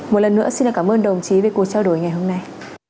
một lần nữa xin cảm ơn đồng chí về cuộc trao đổi ngày hôm nay